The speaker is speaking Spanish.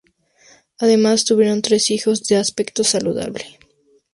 Además, tuvieron tres hijos de aspecto saludable.